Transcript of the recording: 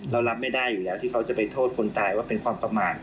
เรารับไม่ได้อยู่แล้วที่เขาจะไปโทษคนตายว่าเป็นความประมาท